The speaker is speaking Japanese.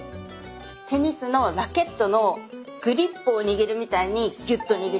テニスのラケットのグリップを握るみたいにぎゅっと握ります。